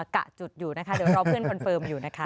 กะจุดอยู่นะคะเดี๋ยวรอเพื่อนคอนเฟิร์มอยู่นะคะ